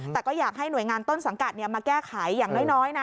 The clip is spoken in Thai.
แต่ก็อยากให้หน่วยงานต้นสังกัดมาแก้ไขอย่างน้อยนะ